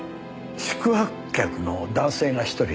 宿泊客の男性が１人。